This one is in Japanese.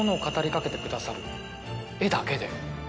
画だけで。